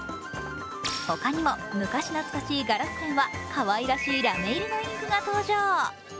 他にも昔懐かしいガラスペンはかわいらしいラメ入りのインクが登場。